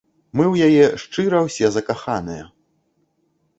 Мы ў яе шчыра ўсе закаханыя!